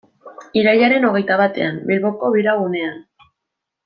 Irailaren hogeita batean, Bilboko Bira gunean.